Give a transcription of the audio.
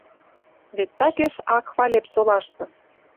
Вет такеш ак хвалеп солашты».